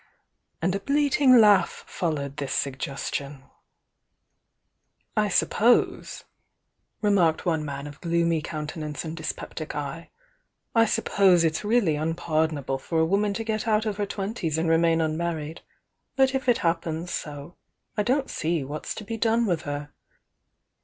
And a bleating laugh followed this suggestion. "I suppose," remarked one man of gloomy coun tenance and dyspeptic eye, "I suppose it's really unpardonable for a woman to get out of her twen ties and remain unmarried, but if it happens so I don't see what's to be done with her."